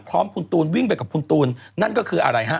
พร้อมคุณตูนวิ่งไปกับคุณตูนนั่นก็คืออะไรฮะ